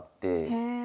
へえ。